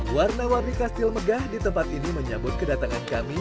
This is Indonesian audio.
warna warni kastil megah di tempat ini menyambut kedatangan kami